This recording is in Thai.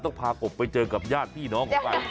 ต้องพากบไปเจอกับญาติพี่น้องไป